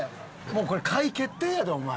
もうこれ買い決定やでお前。